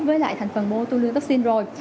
với lại thành phần botulinum toxin rồi